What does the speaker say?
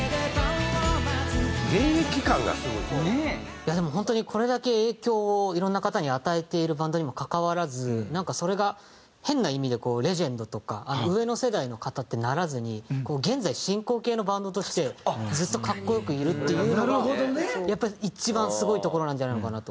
いやでも本当にこれだけ影響をいろんな方に与えているバンドにもかかわらずなんかそれが変な意味でレジェンドとか上の世代の方ってならずに現在進行形のバンドとしてずっと格好良くいるっていうのがやっぱり一番すごいところなんじゃないのかなと。